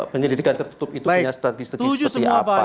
penyelidikan tertutup itu punya strategi strategi seperti apa